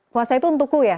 puasa itu untukku ya